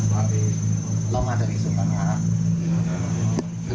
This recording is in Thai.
แม่อย่างนี้